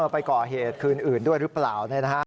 ไปก่อเหตุคืนอื่นด้วยหรือเปล่า